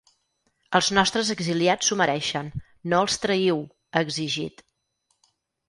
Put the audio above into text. Els nostres exiliats s’ho mereixen, no els traïu, ha exigit.